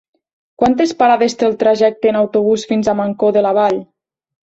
Quantes parades té el trajecte en autobús fins a Mancor de la Vall?